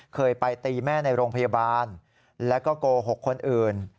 เคยไปตีแม่ในโรงพยาบาลแล้วก็โกหกคนอื่น